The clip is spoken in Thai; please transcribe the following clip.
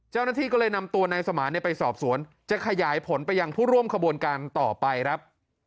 เจ้าหน้าที่ก็เลยนำตัวนายสมานไปสอบสวนจะขยายผลไปยังผู้ร่วมขบวนการต่อไปครับ